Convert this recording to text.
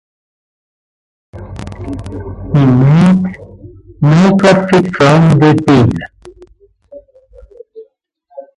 He made no profit from the deal.